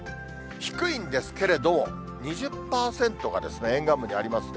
低いんですけれども、２０％が沿岸部にありますね。